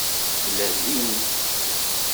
Tella din.